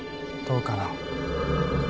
どうかな？